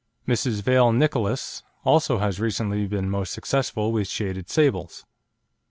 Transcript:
Mrs. Vale Nicolas also has recently been most successful with shaded sables.